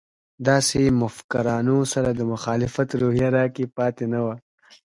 داسې مفکرانو سره د مخالفت روحیه راکې پاتې نه وه.